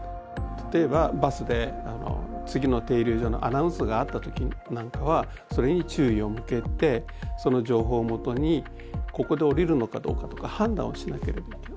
例えばバスで次の停留所のアナウンスがあった時なんかはそれに注意を向けてその情報をもとにここで降りるのかどうかとか判断をしなければいけない。